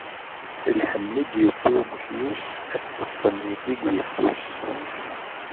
Lḥenni i d-yewwi umekyus, ad t-teqqen yelli deg uyeffus.